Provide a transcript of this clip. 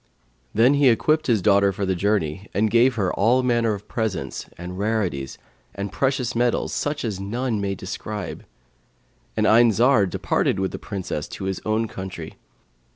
Then he equipped his daughter for the journey and gave her all manner of presents and rarities and precious metals, such as none may describe; and Ayn Zar departed with the Princess to his own country.